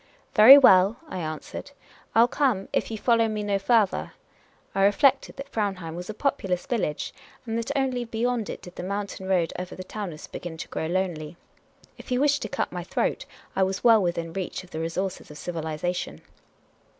" Very well," I answered, " I '11 come, if you follow me no farther." I re flected that PVaunheim was a populous village, and that only beyond it did the mountain road over the Taunus begin to The Inquisitive American ']\ grow lonely. If he wished to cut my throat, I was well within reach of the resources of civilisation.